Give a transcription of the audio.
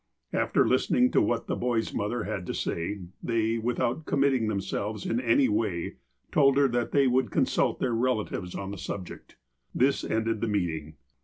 After listening to what the boy's mother had to say, they, without committing them selves in any way, told her that they would consult their relatives on the subject. This ended the meeting.